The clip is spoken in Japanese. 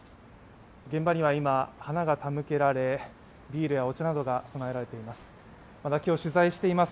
現場には今、花が手向けられビールやお茶などが供えられています。